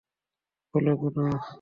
বলো, গুনা।